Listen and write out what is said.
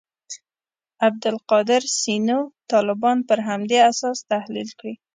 عبدالقادر سینو طالبان پر همدې اساس تحلیل کړي.